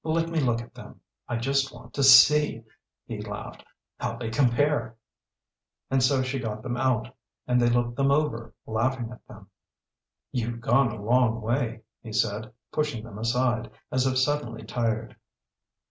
Let me look at them. I just want to see," he laughed, "how they compare." And so she got them out, and they looked them over, laughing at them. "You've gone a long way," he said, pushing them aside, as if suddenly tired.